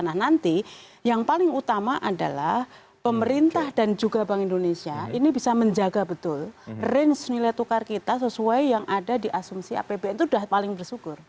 nah nanti yang paling utama adalah pemerintah dan juga bank indonesia ini bisa menjaga betul range nilai tukar kita sesuai yang ada di asumsi apbn itu sudah paling bersyukur